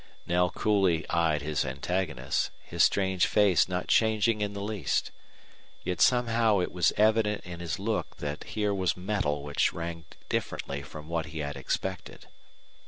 Knell coolly eyed his antagonist, his strange face not changing in the least. Yet somehow it was evident in his look that here was metal which rang differently from what he had expected.